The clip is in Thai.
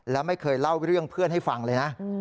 แล้วไม่เคยเล่าเรื่องเพื่อนให้ฟังเลยนะ